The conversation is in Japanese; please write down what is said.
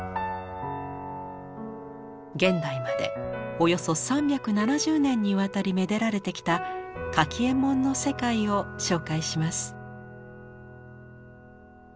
現代までおよそ３７０年にわたりめでられてきた柿右衛門の世界を紹介します。